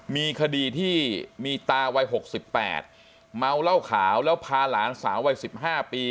มีคดีที่มีตาวัยหกสิบแปดเมาเหล้าขาวแล้วพาหลานสามวัยสิบห้าปี